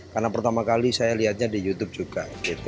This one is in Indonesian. karena pertama kali saya lihatnya di youtube juga